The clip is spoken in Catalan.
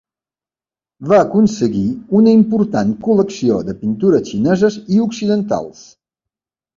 Va aconseguir una important col·lecció de pintures xineses i occidentals.